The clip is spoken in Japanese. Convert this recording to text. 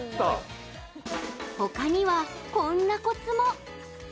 ほかには、こんなコツも。